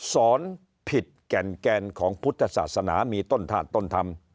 สอนผิดแก่นของพุทธศาสนามีต้นธาตุต้นธรรม